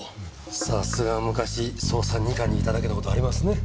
さすが昔捜査二課にいただけの事はありますね。